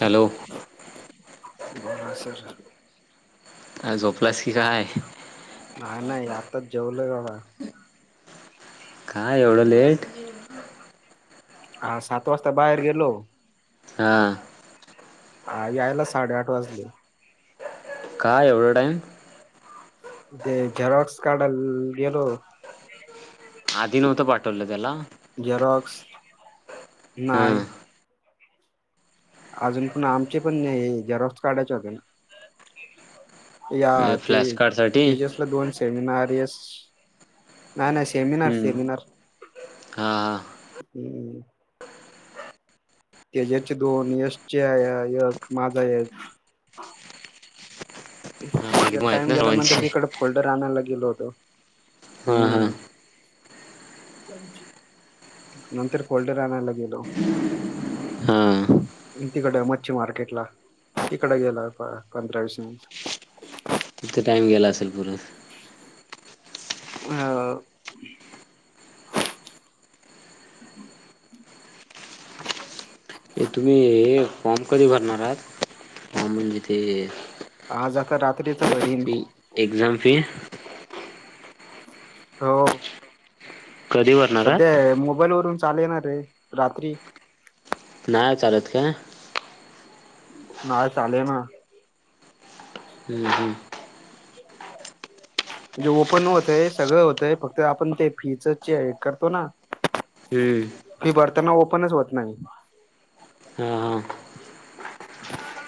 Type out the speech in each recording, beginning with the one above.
Hello बोला sir आ झोपलास की काय? नाही नाही आताच जेवलोय बाबा काय एवढं लेट? हा सात वाजता बाहेर गेलो, हा आ यायला साडेआठ वाजले काय एवढं टाईम? ते झेरोक्स काढायला गेलो आधी नव्हतं पाठवलं त्याला? झेरॉक्स, नाय हा अजून पण आमचे पण हे झेरोक्स काढायचे होते ना. या ते, फ्लॅश कार्ड साठी तेजसला दोन सेमिनार येस नाही नाही सेमिनार हम्म सेमिनार हा हा हम्म तेज्याचे दोन यशचे ये एक माझा एक हा एकदम आहेत टाइम ना गेल्यानंतर सर्वांचे तिकडं फोल्डर आणायला गेलो होतो. हा हा हम्म नंतर फोल्डर आणायला गेलो. हा तिकडं मच्छी मार्केटला, तिकडं गेला पा पंधरा वीस मिनटं [unintelligible] तिथं टाइम गेला असेल परत? हा [unintelligible] ते तुम्ही हे, हे फॉर्म कधी भरणार आहात फॉर्म म्हणजे ते आज आता रात फी एक्झाम फी हो कधी भरणार आहात सध्या मोबाईल वरून चाले ना रे, रात्री नाही चालत काय? नाही चालेना. हम्म हम्म म्हणजे ओपन होतंय सगळं होतंय फक्त आपण ते फीच चे हे करतो ना हम्म त्यांना ओपनच होत नाही. हा हा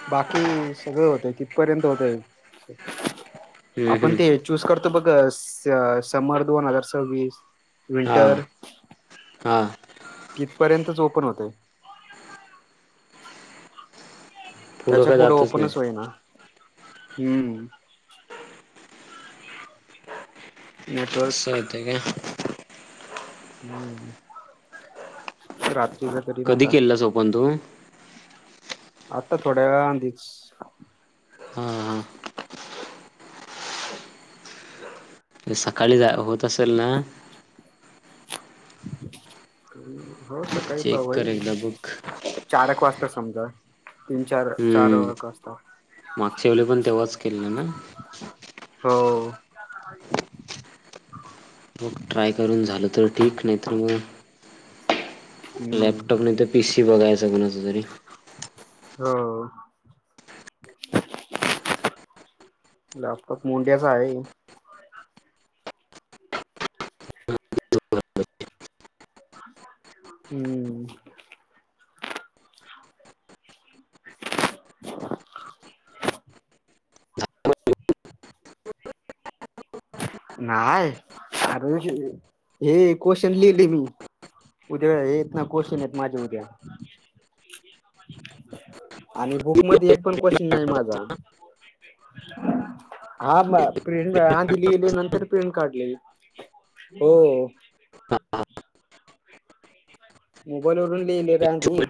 बाकी सगळं होतंय तिथपर्यंत होतंय हम्म आपण ते हम्म चूज करतो बघ स समर दोन हजार सव्वीस हा विंटर हा किथ पर्यंतच ओपन होतंय पुढं त्याच्या काय पुढे जातच नाही ओपनच होई ना हम्म. स नेटवर्क येतंय काय [unintelligible] कधी आता केलंस ओपन तू. आता थोड्या वेळा अधीच हा सकाळी जा होत असेल ना. हो सकाळी बा चेक कर होईल एकदा बघ चार एक वाजता समजा तीन चार चार हम्म वळख वाजता मागच्या वेळी पण तेव्हाच केलेलं ना हो. मग ट्राय करून झालं तर ठीक नाही तर मग हम्म लॅपटॉपने तर पीसी बघायचंग ना कोणाचा तरी हो. लॅपटॉप मुंड्याचा आहे. हम्म. [unintelligible] नाही अर हे क्वेशचन लिहिले मी उद्या हेेत ना कोशन माझ्या उद्या आणि बुक मध्ये एक एक पण क्वेश्चन नाही माझा नाही मा हा दिली गेले नंतर प्रिंट काढलेली हो. मोबाईल वरून लिहिलय.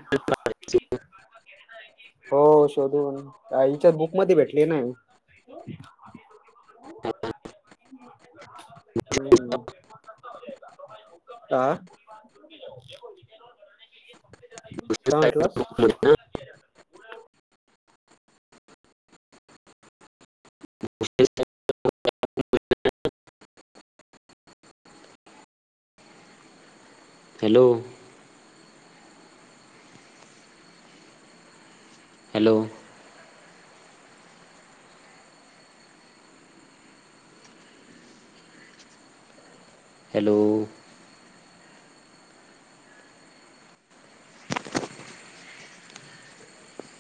हो शोधून आईच्या बुक मध्ये भेटली ना हे [inaudible] हम्म. हा. काय म्हटलास. [inaudible] हॅलो. हॅलो. हॅलो.